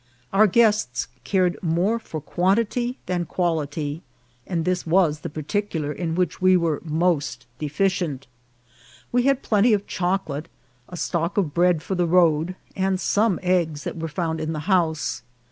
Our guests cared more for quantity than quality, and this was the particular in which we were most deficient. We had plenty of choc olate, a stock of bread for the road, and some eggs that were found in the house.